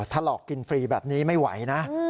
ถ้าหลอกกินฟรีแบบนี้ไม่ไหวนะ